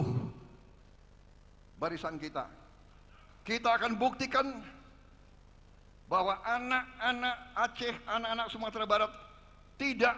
hai barisan kita kita akan buktikan bahwa anak anak aceh anak anak sumatera barat tidak